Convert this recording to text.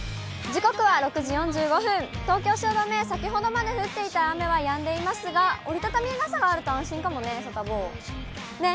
時刻は６時４５分、東京・汐留、先ほどまで降っていた雨はやんでいますが、折り畳み傘があると安心かもね、サタボー。ね。